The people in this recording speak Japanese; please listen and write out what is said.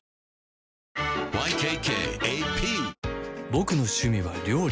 ボクの趣味は料理